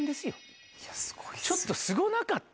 ちょっとすごなかった？